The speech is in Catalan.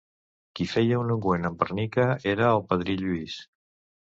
Qui feia un ungüent amb àrnica era el padrí Lluís.